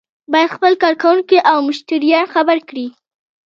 باید خپل کارکوونکي او مشتریان خبر کړي.